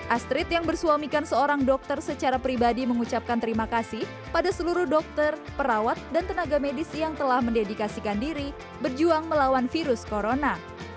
astrid yang bersuamikan seorang dokter secara pribadi mengucapkan terima kasih pada seluruh dokter perawat dan tenaga medis yang telah mendedikasikan diri berjuang melawan virus corona